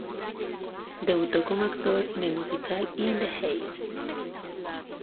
Debutó como actor en el musical "In The Heights".